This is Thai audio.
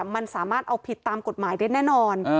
มันสามารถเอาผิดตามกฎหมายได้แน่นอน